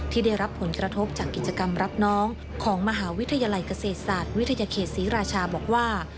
ที่ได้รับผลกระทบจากกิจกรรมรับน้องของมหาวิทยาลัยเกษตรศาสตร์วิทยาเขตศรีราชาบอกว่า